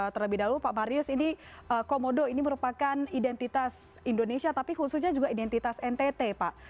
terlebih dahulu pak marius ini komodo ini merupakan identitas indonesia tapi khususnya juga identitas ntt pak